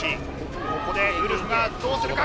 ここでウルフがどうするか。